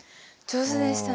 上手でしたね。